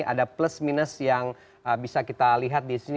ada plus minus yang bisa kita lihat di sini